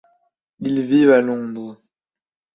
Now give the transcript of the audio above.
Ils vivent à Londres.